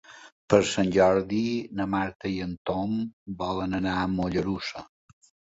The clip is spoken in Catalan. Per Sant Jordi na Marta i en Tom volen anar a Mollerussa.